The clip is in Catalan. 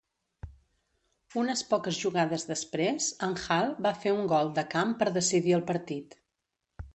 Unes poques jugades després, en Hall va fer un gol de camp per decidir el partit.